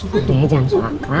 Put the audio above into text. sudah jangan soal soal